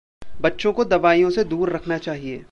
बच्चों को दवाईयों से दूर रखना चहिए।